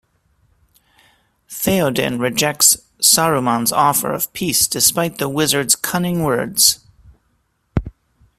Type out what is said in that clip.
Théoden rejects Saruman's offer of peace despite the wizard's cunning words.